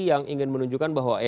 yang ingin menunjukkan bahwa